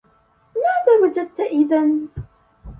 ماذا وجدت إذا؟